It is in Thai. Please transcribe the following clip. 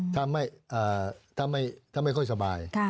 ถ้าไม่ค่อยสบาย